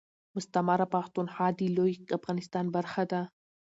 مستعمره پښتونخوا دي لوي افغانستان برخه ده